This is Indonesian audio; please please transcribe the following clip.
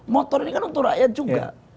motor ini kan untuk rakyat juga